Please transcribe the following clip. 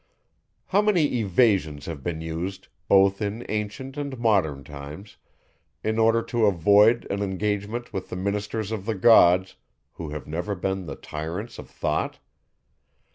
How many evasions have been used, both in ancient and modern times, in order to avoid an engagement with the ministers of the gods, who have ever been the tyrants of thought?